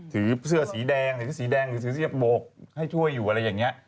ถือเสื้อสีแดงถือสีแดงหรือสีเสื้อโบกให้ช่วยอยู่อะไรอย่างนี้